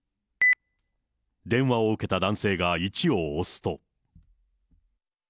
電話を受けた男性が１を押すと。